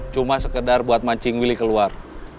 cuma sekedar buat mancing willy keluar